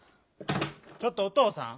ちょっとおとうさん。